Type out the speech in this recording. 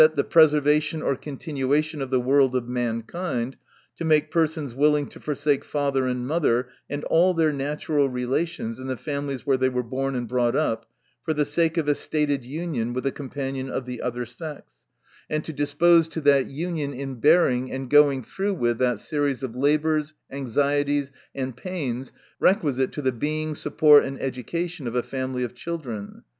the preser vation or continuation of the world of mankind, to make persons willing to forsake father and mother, and all their natural relations in the families where they were born and brought up, for the sake of a stated union with a companion of the other sex, and to dispose to that union in bearing and going through with that series of labors, anxieties, and pains requisite to the Being, support and education of a family of children.